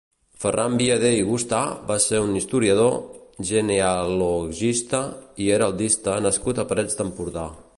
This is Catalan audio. Ferran Viader i Gustà va ser un historiador, genealogista i heraldista nascut a Parets d'Empordà.